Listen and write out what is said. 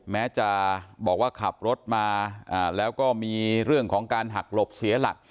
แม้จะบอกว่าขับรถมาแล้วก็มีเรื่องของการหักหลบเสียหลัก